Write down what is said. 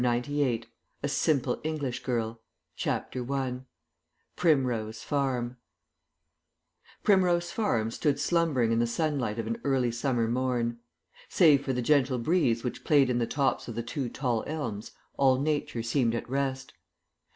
XCVIII A SIMPLE ENGLISH GIRL CHAPTER I PRIMROSE FARM Primrose Farm stood slumbering in the sunlight of an early summer morn. Save for the gentle breeze which played in the tops of the two tall elms all Nature seemed at rest.